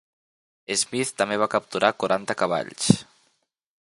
Smith també va capturar quaranta cavalls.